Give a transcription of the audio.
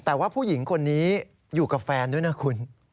แต่ว่าผู้หญิงคนนี้อยู่กับแฟนด้วยนะคุณ